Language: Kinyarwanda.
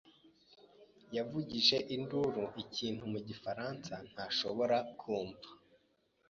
yavugije induru ikintu mu gifaransa ntashobora kumva.